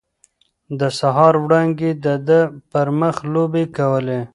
د سهار وړانګې د ده پر مخ لوبې کولې.